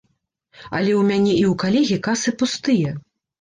Але ў мяне і ў калегі касы пустыя.